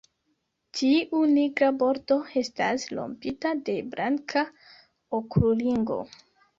Tiu nigra bordo estas rompita de blanka okulringo.